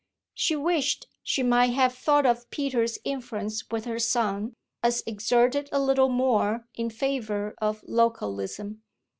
she wished she might have thought of Peter's influence with her son as exerted a little more in favour of localism.